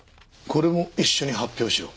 「これも一緒に発表しろ」？